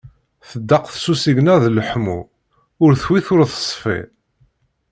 Tḍaq s usigna d leḥmu, ur twit ur teṣfi.